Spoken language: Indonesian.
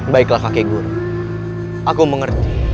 baiklah kakek guru aku mengerti